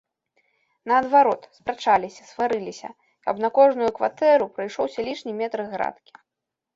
Наадварот, спрачаліся, сварыліся, каб на кожную кватэру прыйшоўся лішні метр градкі.